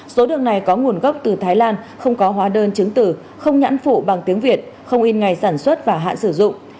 số đường này có nguồn gốc từ thái lan không có hóa đơn chứng tử không nhãn phụ bằng tiếng việt không in ngày sản xuất và hạn sử dụng